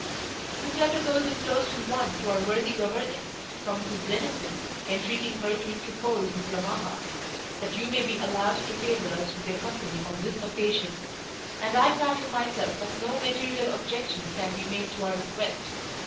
This letter goes inclosed in one to our worthy governess, from Mrs Dennison, entreating her to interpose with your mamma, that you may be allowed to favour us with your company on this occasion; and I flatter myself that no material objection can be made to our request.